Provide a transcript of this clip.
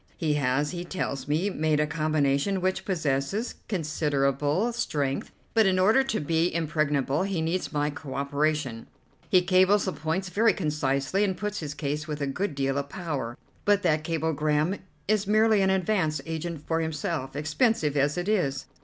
He has, he tells me, made a combination which possesses considerable strength, but in order to be impregnable he needs my co operation. He cables the points very concisely, and puts his case with a good deal of power; but that cablegram is merely an advance agent for himself, expensive as it is.